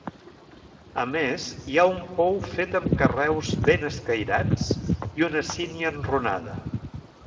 A més hi ha un pou fet amb carreus ben escairats, i una sínia enrunada.